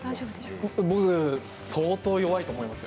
僕相当弱いと思いますよ。